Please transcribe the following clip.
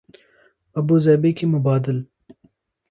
Abu Dhabi کی مبادل